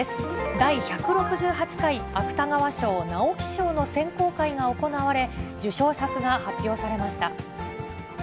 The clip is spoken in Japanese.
第１６８回芥川賞・直木賞の選考会が行われ、受賞作が発表されました。